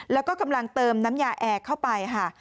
แล้วก็กำลังเติมน้ำยาแอร์เข้าไปค่ะ